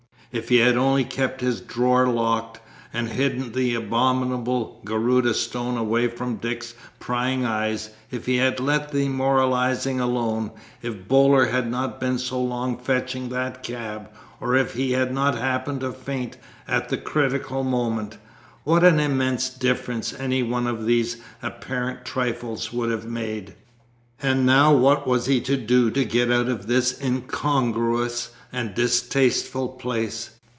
If he had only kept his drawer locked, and hidden the abominable Garudâ Stone away from Dick's prying eyes; if he had let the moralising alone; if Boaler had not been so long fetching that cab, or if he had not happened to faint at the critical moment what an immense difference any one of these apparent trifles would have made. And now what was he to do to get out of this incongruous and distasteful place?